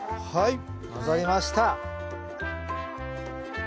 はい。